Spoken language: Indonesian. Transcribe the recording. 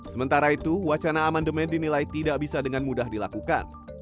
sementara itu wacana amandemen dinilai tidak bisa dengan mudah dilakukan